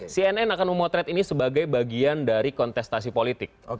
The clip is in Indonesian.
cnn akan memotret ini sebagai bagian dari kontestasi politik